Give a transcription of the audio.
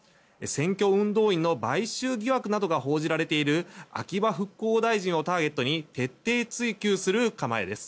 選挙運動員の買収疑惑などが報じられている秋葉復興大臣をターゲットに徹底追及する構えです。